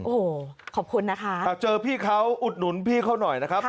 โอ้โหขอบคุณนะคะเจอพี่เขาอุดหนุนพี่เขาหน่อยนะครับ